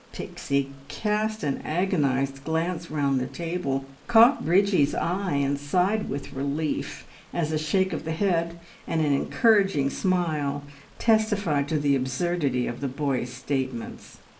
Pixie cast an agonised glance round the table, caught Bridgie's eye, and sighed with relief, as a shake of the head and an encouraging smile testified to the absurdity of the boys' statements.